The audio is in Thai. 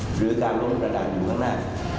หรือการล้มกระดานอยู่ข้างหน้า